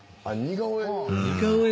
似顔絵？